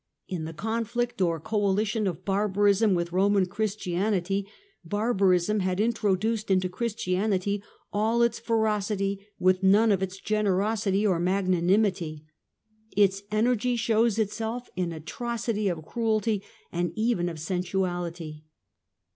In the conflict or coalition of barbarism with Roman Christianity, barbarism had introduced into Christianity all its ferocity, with none of its generosity or magnanimity. Its energy shows itself in atrocity of cruelty and even of sensuality.